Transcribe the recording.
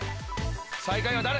最下位は誰？